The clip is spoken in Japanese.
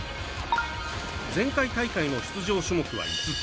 前回大会の出場種目は５つ。